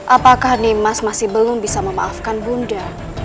apakah nimas masih belum bisa memaafkan ibu nda